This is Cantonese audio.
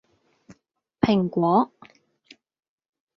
蘋果